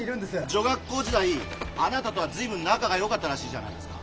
女学校時代あなたとは随分仲が良かったらしいじゃないですか。